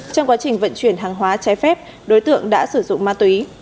trong quá trình vận chuyển hàng hóa trái phép đối tượng đã sử dụng ma túy